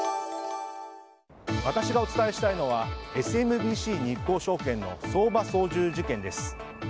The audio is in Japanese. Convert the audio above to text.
私がお伝えしたいのはＳＭＢＣ日興証券の相場操縦事件です。